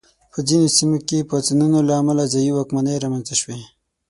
په ځینو سیمو کې پاڅونونو له امله ځايي واکمنۍ رامنځته شوې.